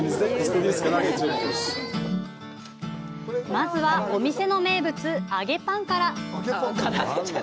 まずは、お店の名物、揚げパンから。